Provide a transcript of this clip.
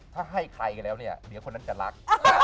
ถ้าให้ใครกันแล้วเดี๋ยวคนนั้นจะรัก